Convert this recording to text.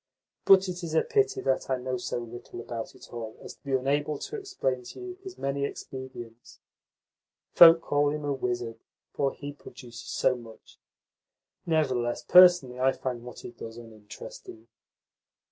But it is a pity that I know so little about it all as to be unable to explain to you his many expedients. Folk call him a wizard, for he produces so much. Nevertheless, personally I find what he does uninteresting."